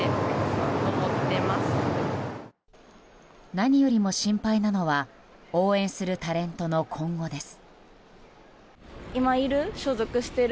何よりも心配なのは応援するタレントの今後です。